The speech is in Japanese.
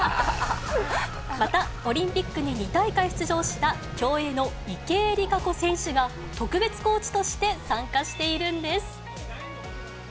また、オリンピックに２大会出場した、競泳の池江璃花子選手が、特別コーチとして参加しているんです。